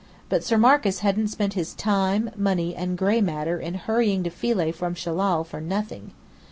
But Sir Marcus hadn't spent his money, time, and gray matter in hurrying to Philae from Shellal, for nothing.